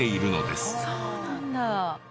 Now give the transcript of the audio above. そうなんだ！